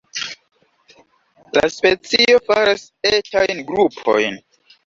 La specio faras etajn grupojn.